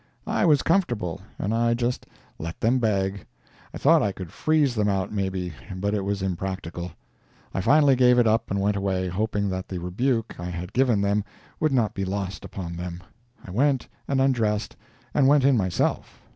I was comfortable, and I just let them beg. I thought I could freeze them out, maybe, but it was impracticable. I finally gave it up and went away, hoping that the rebuke I had given them would not be lost upon them. I went and undressed and went in myself.